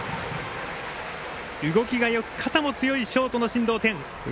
動きがよく、肩も強いショートの進藤天！